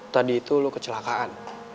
tadi itu lo kecelakaan